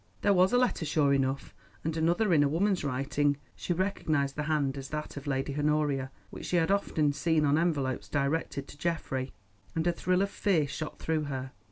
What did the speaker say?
There was the letter sure enough, and another in a woman's writing. She recognised the hand as that of Lady Honoria, which she had often seen on envelopes directed to Geoffrey, and a thrill of fear shot through her.